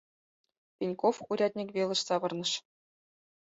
Пеньков урядник велыш савырныш.